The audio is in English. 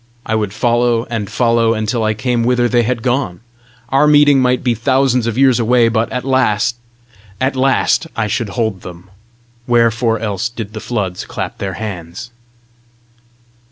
I would follow and follow until I came whither they had gone! Our meeting might be thousands of years away, but at last AT LAST I should hold them! Wherefore else did the floods clap their hands?